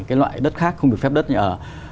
cái loại đất khác không được phép đất nhà ở